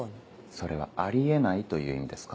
それはあり得ないという意味ですか？